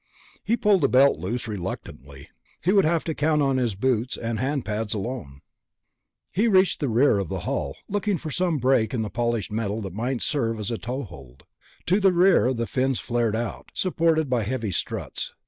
He pulled the belt loose, reluctantly. He would have to count on his boots and his hand pads alone. He searched the rear hull, looking for some break in the polished metal that might serve as a toehold. To the rear the fins flared out, supported by heavy struts.